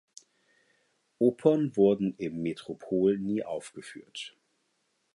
Opern wurden im Metropol nie aufgeführt.